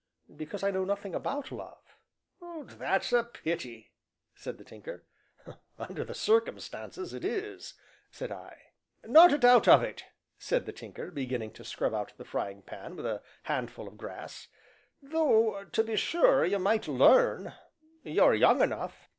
"Because I know nothing about love." "That's a pity," said the Tinker. "Under the circumstances, it is," said I. "Not a doubt of it," said the Tinker, beginning to scrub out the frying pan with a handful of grass, "though to be sure you might learn; you're young enough."